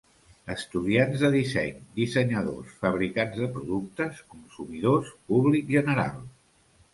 Estudiants de disseny, dissenyadors, fabricants de productes, consumidors, públic general.